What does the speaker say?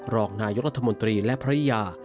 รองนายุทธมนตรีและพระอิยา